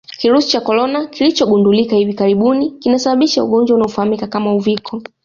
Kirusi cha Corona kilichogundulika hivi karibuni kinasababisha ugonjwa unaofahamika kama Uviko